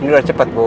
ini udah cepet bu